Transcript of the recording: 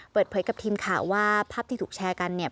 เปิดเผยกับทีมข่าวว่าภาพที่ถูกแชร์กันเนี่ย